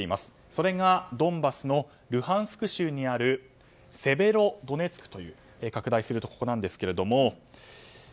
それが、ドンバスのルハンスク州にあるセベロドネツクという街です。